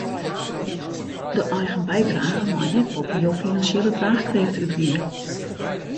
De eigen bydrage mei net boppe jo finansjele draachkrêft útgean.